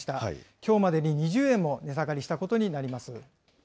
きょうまでに２０円も値下がりしたことになります。